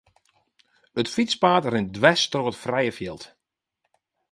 It fytspaad rint dwers troch it frije fjild.